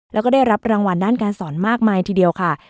แล้วก็ได้รับรางวัลด้านการสอนมากมายทีเดียวค่ะ